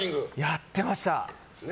やってました。